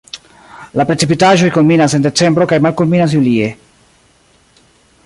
La precipitaĵoj kulminas en decembro kaj malkulminas julie.